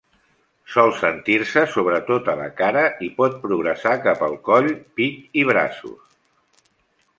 Sol sentir-se sobretot a la cara i pot progressar cap al coll, pit i braços.